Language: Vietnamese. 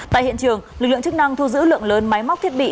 tại hiện trường lực lượng chức năng thu giữ lượng lớn máy móc thiết bị